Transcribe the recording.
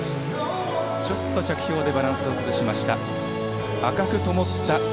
ちょっと着氷でバランスを崩しました。